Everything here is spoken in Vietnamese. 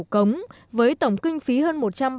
cống với tổng kinh phí hơn